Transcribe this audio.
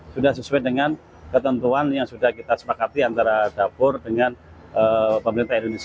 sudah sesuai dengan ketentuan yang sudah kita sepakati antara dapur dengan pemerintah indonesia